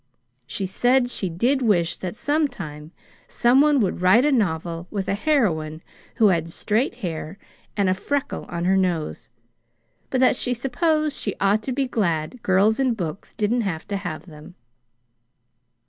She said she did wish that sometime some one would write a novel with a heroine who had straight hair and a freckle on her nose; but that she supposed she ought to be glad girls in books didn't have to have them."